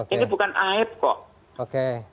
ini bukan aib kok